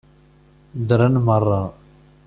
Ddren meṛṛa.